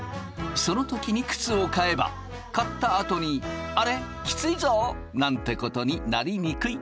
その時に靴を買えば買ったあとに「あれ？きついぞ？」なんてことになりにくい。